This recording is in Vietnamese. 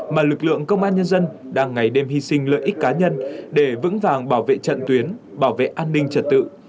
mà lực lượng công an nhân dân đang ngày đêm hy sinh lợi ích cá nhân để vững vàng bảo vệ trận tuyến bảo vệ an ninh trật tự